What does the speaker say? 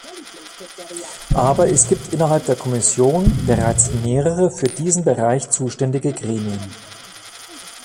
Aber es gibt innerhalb der Kommission bereits mehrere für diesen Bereich zuständige Gremien.